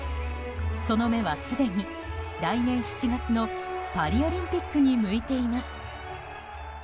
その目はすでに来年７月のパリオリンピックに向いています。